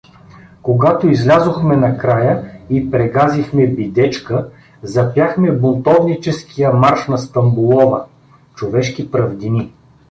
Когато излязохме на края и прегазихме Бидечка, запяхме бунтовническия марш на Стамболова: човешки правдини!